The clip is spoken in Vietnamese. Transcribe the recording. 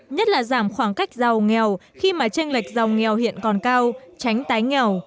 nhất là giảm khoảng cách giàu nghèo khi mà tranh lệch giàu nghèo hiện còn cao tránh tái nghèo